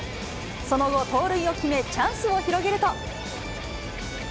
その後、盗塁を決め、チャンスを広げると。